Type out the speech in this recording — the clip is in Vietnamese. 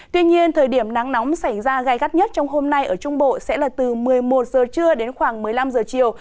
tuy nhiên thời điểm nắng nóng xảy ra gai gắt nhất trong hôm nay ở trung bộ sẽ là từ một mươi một giờ trưa đến khoảng một mươi năm giờ chiều